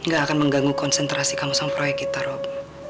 gak akan mengganggu konsentrasi kamu sang proyek kita rob